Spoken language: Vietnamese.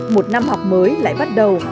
một năm học mới lại bắt đầu